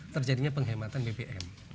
terjadinya penghematan bbm